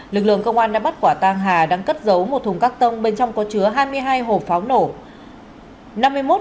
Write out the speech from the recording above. lực lượng công an đã bắt quả tang hà đang cất giấu một thùng các tông bên trong có chứa hai mươi hai hộp pháo nổ